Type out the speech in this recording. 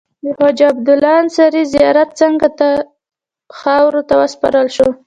د خواجه عبدالله انصاري زیارت څنګ ته خاورو ته وسپارل شو.